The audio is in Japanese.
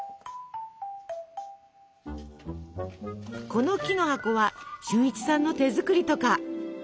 この木の箱は俊一さんの手作りとか。